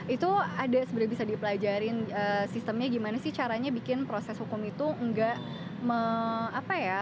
itu ada sebenarnya bisa dipelajarin sistemnya gimana sih caranya bikin proses hukum itu enggak apa ya